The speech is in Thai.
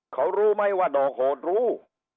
เขารู้ไหมว่าดอกโหดรู้